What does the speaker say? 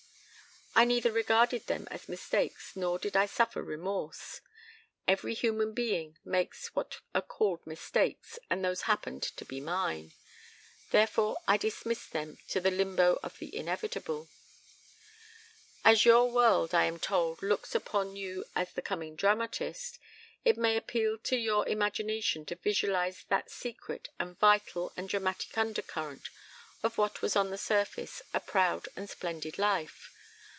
"I neither regarded them as mistakes nor did I suffer remorse. Every human being makes what are called mistakes and those happened to be mine. Therefore I dismissed them to the limbo of the inevitable. ... As your world, I am told, looks upon you as the coming dramatist, it may appeal to your imagination to visualize that secret and vital and dramatic undercurrent of what was on the surface a proud and splendid life.